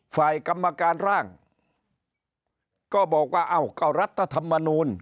ฝ่ายกรรมการร่างก็บอกว่าเอ้าก็รัฐธรรมนูล